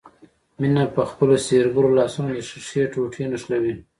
مينه په خپلو سحرګرو لاسونو د ښيښې ټوټې نښلوي.